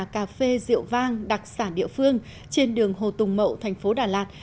cà phê rượu vang đặc sản địa phương trên đường hồ tùng mậu thành phố đà lạt